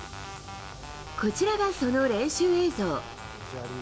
こちらがその練習映像。